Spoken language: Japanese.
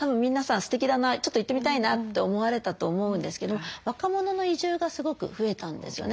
すてきだなちょっと行ってみたいなと思われたと思うんですけども若者の移住がすごく増えたんですよね。